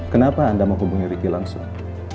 kenapa anda mau hubungi riki langsung